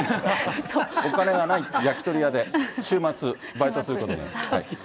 お金がない、焼き鳥屋で週末バイトすることになりました。